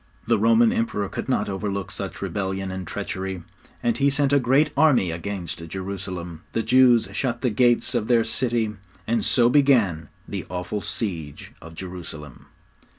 The Roman Emperor could not overlook such rebellion and treachery, and he sent a great army against Jerusalem. The Jews shut the gates of their city, and so began the awful siege of Jerusalem.